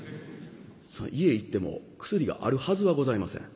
家へ行っても薬があるはずはございません。